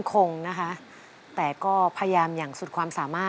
เปลี่ยนเพลงเพลงเก่งของคุณและข้ามผิดได้๑คำ